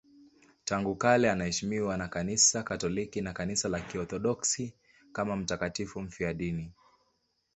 Tangu kale anaheshimiwa na Kanisa Katoliki na Kanisa la Kiorthodoksi kama mtakatifu mfiadini.